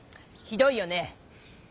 ひどいよね。